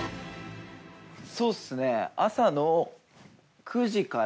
そうですね。